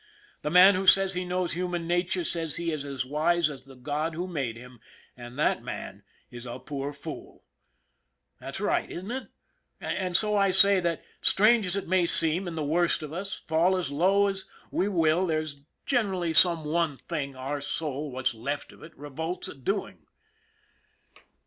The man who says he knows human nature says he is as wise as the God who made him, and that man is a poor fool. That's right, isn't it ? And so I say that, strange as it may seem, in the worst of us, fall as low as we will, there's generally "IF A MAN DIE" 59 some one thing our soul, what's left of it, revolts at doing.